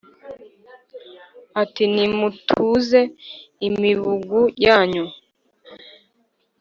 Ati : Nimutuze imibugu yanyu